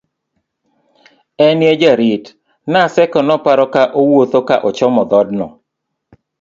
en ye jarit, Naseko noparo ka owuodho ka ochomo dhodno